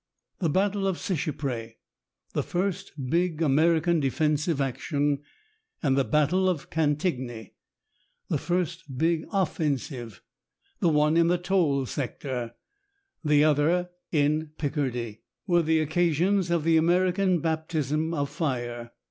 The battle of Seicheprey, the first big American defensive action, and the battle of Cantigny, the first big offensive, the one in the Toul sector, the other in Picardy, were the occasions of the American baptism of fire.